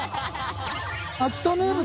秋田名物。